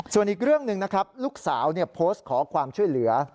ส่วนอีกเรื่องหนึ่งนะครับลูกสาวโพสต์ขอความช่วยเหลือ